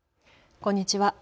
こんにちは。